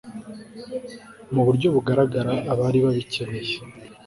mu buryo bugaragara abari babikeneye